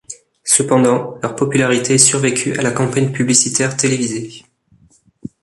Cependant, leur popularité survécut à la campagne publicitaire télévisée.